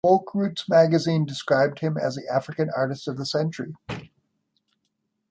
"Folk Roots" magazine described him as the African Artist of the Century.